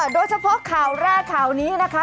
โดยเฉพาะข่าวแรกข่าวนี้นะคะ